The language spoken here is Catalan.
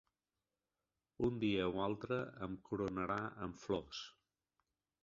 Un dia o altre em coronarà amb flors